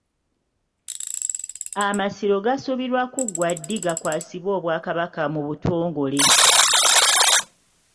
Amasiro gasuubirwa kuggwa ddi gakwasibwe Obwakabaka mu butongole?